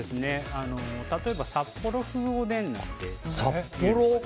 例えば、札幌風おでんなんて。